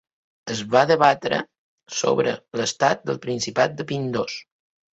Es va debatre sobre l'estat del principat de Pindos.